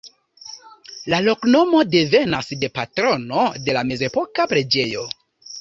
La loknomo devenas de patrono de la mezepoka preĝejo.